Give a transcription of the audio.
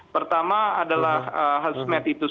pertama adalah health med itu